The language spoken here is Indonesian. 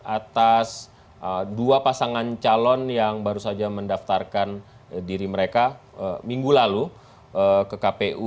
atas dua pasangan calon yang baru saja mendaftarkan diri mereka minggu lalu ke kpu